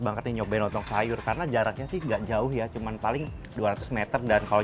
banget nyobain lontong sayur karena jaraknya sih enggak jauh ya cuman paling dua ratus m dan kalau